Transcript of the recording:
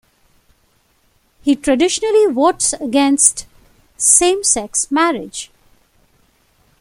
He traditionally votes against same-sex marriage.